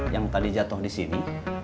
yang tadi jatuh disini